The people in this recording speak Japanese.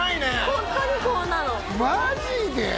ホントにこうなのマジで？